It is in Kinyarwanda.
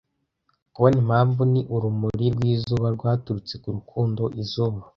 Kubona impamvu ni urumuri rw'izuba rwaturutse ku rukundo izuba.